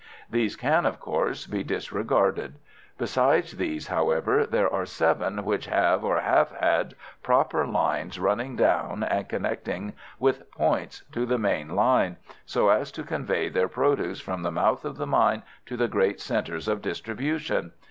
These can, of course, be disregarded. Besides these, however, there are seven which have or have had, proper lines running down and connecting with points to the main line, so as to convey their produce from the mouth of the mine to the great centres of distribution.